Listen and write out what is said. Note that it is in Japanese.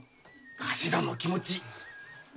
頭の気持ち。